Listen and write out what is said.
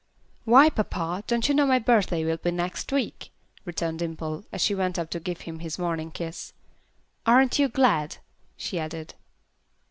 "Why, papa, don't you know my birthday will be next week?" returned Dimple, as she went up to give him his morning kiss. "Aren't you glad?" she added.